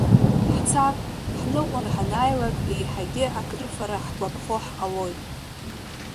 Ҳцап, ҳныҟәаны ҳанааилак, еиҳагьы акрыфара ҳгәаԥхо ҳҟалоит.